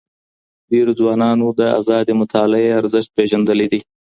ډېرو ځوانانو د ازادي مطالعې ارزښت پېژندلی دی.